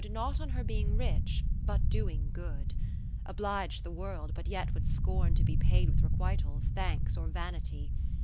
Not on her being rich, but doing good. Oblig'd the World, but yet would scorn to be Paid with requitals, thanks or vanity.